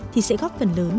thì sẽ góp phần lớn